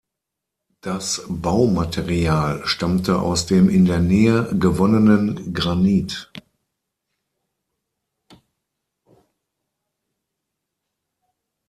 Das Baumaterial stammte aus dem in der Nähe gewonnenen Granit.